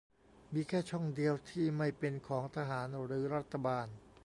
มีแค่ช่องเดียวที่ไม่เป็นของทหารหรือรัฐบาล